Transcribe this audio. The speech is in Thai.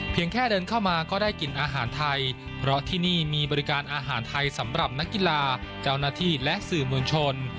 แค่เดินเข้ามาก็ได้กินอาหารไทยเพราะที่นี่มีบริการอาหารไทยสำหรับนักกีฬาเจ้าหน้าที่และสื่อมวลชน